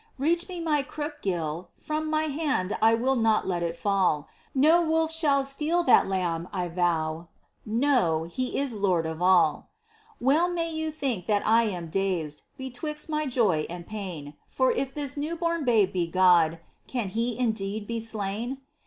— Reach me my crook, Gil — from my hand I will not let it fall : No wolf shall steal that Lamb, I vow !— Know, He is Lord of all !— Well may you think that I am dazed Betwixt my joy and pain. 42 MINOR WORKS OF ST. TERESA. For if this new bom Babe be God, Can He indeed be slain